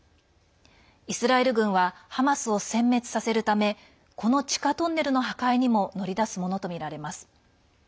イスラエル軍はハマスをせん滅させるためこの地下トンネルの破壊にも乗り出すものとみられます。